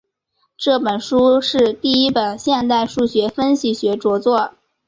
这本书是第一本现代数学分析学着作。